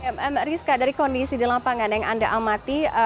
mbak rizka dari kondisi di lapangan yang anda amati